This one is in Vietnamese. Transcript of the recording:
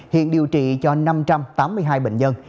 hiện điều trị cho năm trăm tám mươi hai bệnh nhân